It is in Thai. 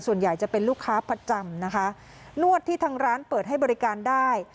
ส่วนใหญ่จะเป็นลูกค้าประจำนะคะนวดที่ทางร้านเปิดให้บริการได้